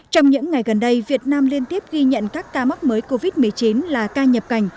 trong những ngày gần đây việt nam liên tiếp ghi nhận các ca mắc mới covid một mươi chín là ca nhập cảnh